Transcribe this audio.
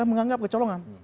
kita menganggap kecolongan